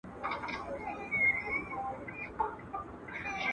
اوسنی نسل خپل تاريخي جريانونه مطالعه کوي.